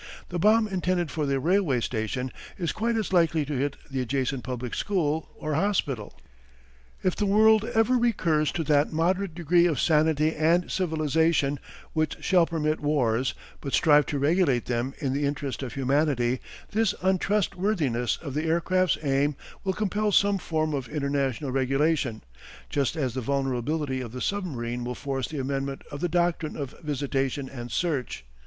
The bomb intended for the railway station is quite as likely to hit the adjacent public school or hospital. If the world ever recurs to that moderate degree of sanity and civilization which shall permit wars, but strive to regulate them in the interest of humanity this untrustworthiness of the aircraft's aim will compel some form of international regulation, just as the vulnerability of the submarine will force the amendment of the doctrine of visitation and search.